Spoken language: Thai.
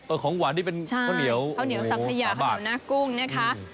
ของหวานนี่เป็นข้าวเหนียวข้าวเหนียวสังขยาข้าวเหนียวหน้ากุ้งนะคะ